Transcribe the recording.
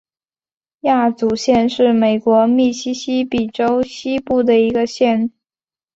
亚祖县是美国密西西比州西部的一个县。